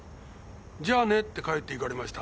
じゃあねって帰っていかれました。